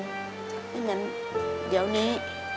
ไม่เหมือนเดี๋ยวนี้